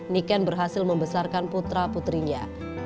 niken berhasil membesarkan putra putrinya